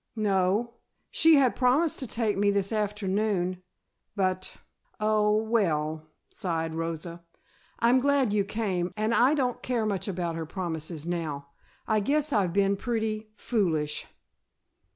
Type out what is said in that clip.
"No. She had promised to take me this afternoon but oh, well " sighed Rosa. "I'm glad you came and I don't care much about her promises now. I guess I've been pretty foolish."